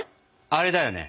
あれだよね？